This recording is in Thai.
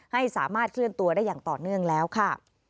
ให้สามารถเคลื่อนตัวได้อย่างต่อเนื่องแล้วค่ะ